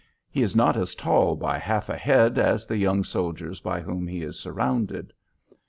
He is not as tall by half a head as the young soldiers by whom he is surrounded.